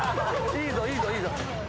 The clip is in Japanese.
いいぞいいぞいいぞ。